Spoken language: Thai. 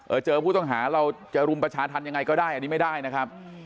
เจอผู้ต้องหาเราจะรุมประชาธรรมยังไงก็ได้อันนี้ไม่ได้นะครับ